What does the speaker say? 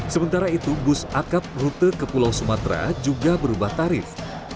sementara itu bus akap rute ke pulau sumatera juga berubah tarif